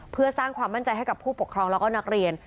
เพื่อสร้างความมั่นใจให้กับผู้ปกครองแล้วก็นักเรียน